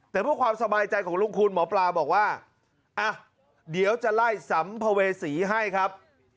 แต่เพื่อความสบายใจของลุงคุณหมอปลาบอกว่าอ่ะเดี๋ยวจะไล่สัมภเวษีให้ครับ